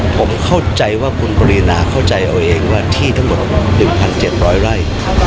ผมเข้าใจว่าคุณปรินาเข้าใจเอาเองว่าที่ทั้งหมด๑๗๐๐ไร่